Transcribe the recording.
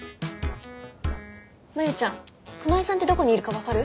真夕ちゃん熊井さんってどこにいるか分かる？